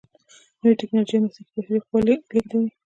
نوې ټیکنالوجې او مسلکي بشري قوه لیږدوي.